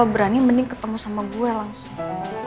berani mending ketemu sama gue langsung